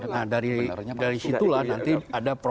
nah dari situlah nanti ada proses